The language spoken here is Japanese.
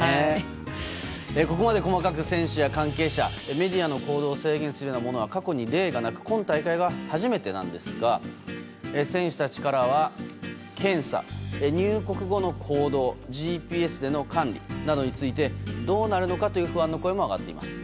ここまで細かく選手や関係者メディアの行動を制限するものは過去に例がなく今大会が初めてなんですが選手たちからは検査、入国後の行動ＧＰＳでの管理などについてどうなるのかという不安の声も上がっています。